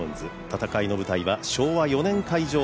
戦いの舞台は昭和４年開場